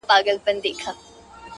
ستا پر ځای به بله مینه بل به ژوند وي -